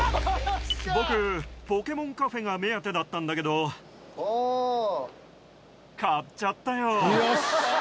僕、ポケモンカフェが目当てだったんだけど、買っちゃったよ。